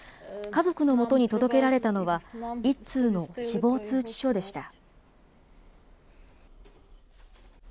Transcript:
家族のもとに届けられたのは、一通の死亡通知書でした。